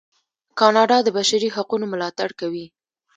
کاناډا د بشري حقونو ملاتړ کوي.